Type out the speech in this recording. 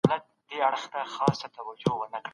همدا به حال وي